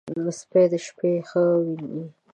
سپي د شپې ښه ویني.